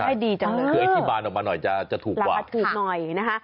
ที่บ้านออกมาหน่อยจะถูกขวา